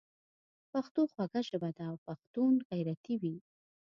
پښتو خوږه ژبه ده او پښتون غیرتي وي.